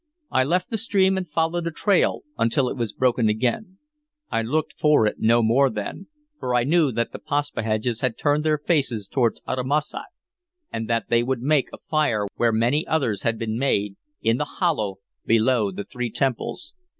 I left the stream and followed the trail until it was broken again. I looked for it no more then, for I knew that the Paspaheghs had turned their faces toward Uttamussac, and that they would make a fire where many others had been made, in the hollow below the three temples.